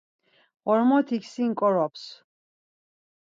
Ğormotik sin ǩqorops.